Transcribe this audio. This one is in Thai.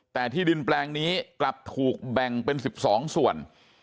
แต่ที่ดินแปลงนี้กลับถูกแบ่งเป็น๑๒ส่วน